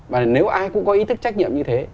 và nếu ai cũng có ý thức trách nhiệm như thế